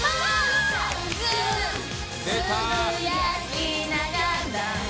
「つぶやきながら」